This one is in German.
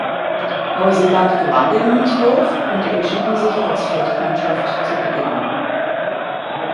Neuseeland gewann den Münzwurf und entschieden sich als Feldmannschaft zu beginnen.